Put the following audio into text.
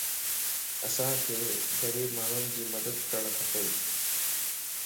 اسانک غريب ماڻھين جي مدد ڪرڻ کپ